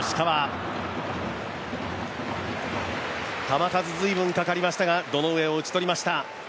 球数、ずいぶんかかりましたが、堂上を打ち取りました。